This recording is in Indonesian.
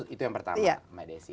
itu yang pertama mbak desi